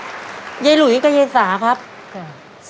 ตอนนี้ยายหลุยกับสัตว์แกง